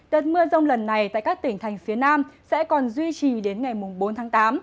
đợt mưa rông lần này tại các tỉnh thành phía nam sẽ còn duy trì đến ngày bốn tháng tám